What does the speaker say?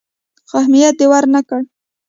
خو اهميت دې ورنه کړ.